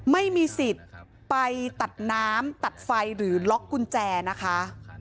ไม่มีสิทธิ์ไปตัดน้ำตัดไฟหรือล็อกกุญแจนะคะ